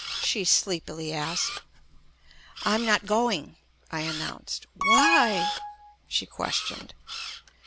she sleepily asked. "I'm not going," I announced. "Why?" she questioned.